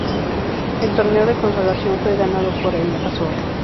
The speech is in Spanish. El Torneo de Consolación fue ganado por el Azor.